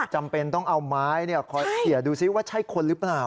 จำเป็นต้องเอาไม้คอยเขียนดูซิว่าใช่คนหรือเปล่า